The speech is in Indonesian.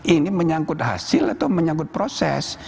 ini menyangkut hasil atau menyangkut proses